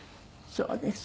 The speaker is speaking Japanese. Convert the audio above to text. そうですか。